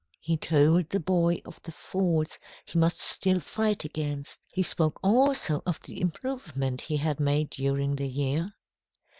He told the boy of the faults he must still fight against. He spoke also of the improvement he had made during the year.